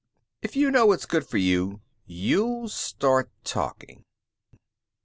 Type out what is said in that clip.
If you know what's good for you, you'll start talking."